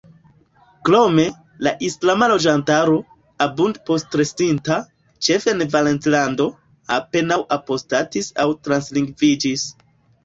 Krome, la islama loĝantaro, abunde postrestinta, ĉefe en Valencilando, apenaŭ apostatis aŭ translingviĝis.